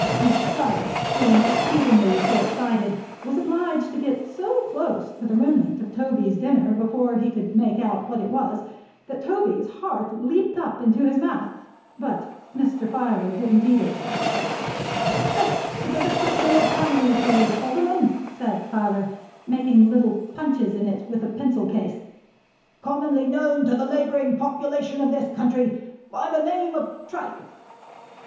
Mr. Filer being exceedingly short sighted, was obliged to go so close to the remnant of Toby's dinner before he could make out what it was, that Toby's heart leaped up into his mouth. But Mr. Filer didn't eat it. "This is a description of animal food, Alderman," said Filer, making little punches in it with a pencil case, "commonly known to the laboring population of this country by the name of tripe."